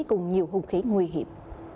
cùng nhiều hùng khí nguy hiểm